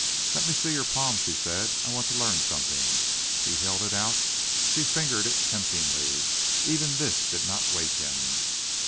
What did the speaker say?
"Let me see your palm," she said, "I want to learn something." He held it out. She fingered it temptingly. Even this did not wake him.